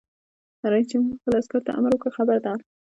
رئیس جمهور خپلو عسکرو ته امر وکړ؛ خبردار!